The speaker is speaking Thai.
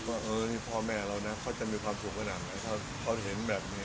ว่านี่พ่อแม่เรานะเขาจะมีความสุขขนาดไหนถ้าเขาเห็นแบบนี้